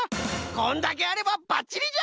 こんだけあればばっちりじゃ。